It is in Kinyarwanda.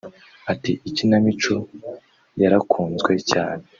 Ati “Ikinamico yarakunzwe cyane